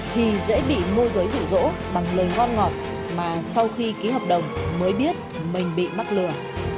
thì dễ bị môi giới rủ rỗ bằng lời ngon ngọc mà sau khi ký hợp đồng mới biết mình bị mắc lừa